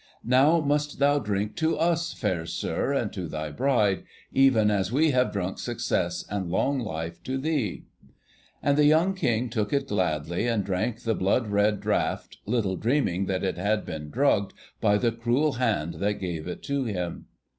'Now must thou drink to us, fair sir, and to thy bride, even as we have drunk success and long life to thee.' And the young King took it gladly, and drank the blood red draught, little dreaming that it had been drugged by the cruel hand that gave it to him.